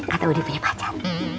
atau udah punya pacar